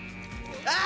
あ！